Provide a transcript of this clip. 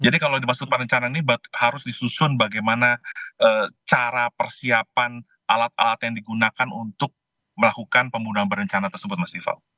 jadi kalau dimaksud perencanaan ini harus disusun bagaimana cara persiapan alat alat yang digunakan untuk melakukan pembunuhan perencanaan tersebut mas riefel